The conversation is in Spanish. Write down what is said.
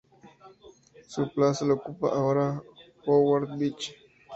Su plaza la ocupa ahora Howard Beach.